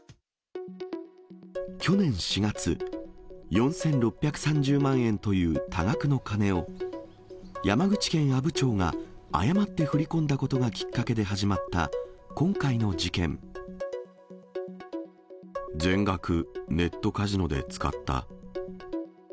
去年４月、４６３０万円という多額の金を、山口県阿武町が誤って振り込んだことがきっかけで始まった今回の全額、ネットカジノで使った。